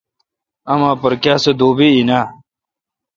اوما پر کیا سُو دوبی این آں؟